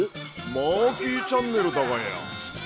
マーキーチャンネルだがや。